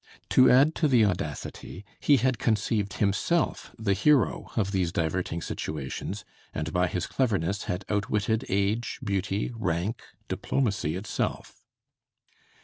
To add to the audacity, he had conceived himself the hero of these diverting situations, and by his cleverness had outwitted age, beauty, rank, diplomacy itself.